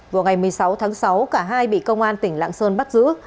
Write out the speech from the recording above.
vào ngày một mươi sáu tháng sáu cả hai bị công an tỉnh lạng sơn bắt giữ